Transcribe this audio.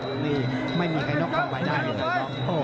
ตอนนี้ไม่มีใครทดทนทองใบได้เองครับ